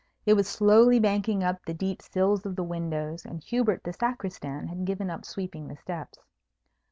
It was slowly banking up in the deep sills of the windows, and Hubert the Sacristan had given up sweeping the steps.